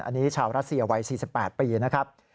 อันนี้ชาวรัสเซียวัย๔๘ปีนะครับ